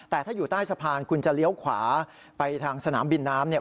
แต่ถ้าอยู่ใต้สะพานคุณจะเลี้ยวขวาไปทางสนามบินน้ำเนี่ย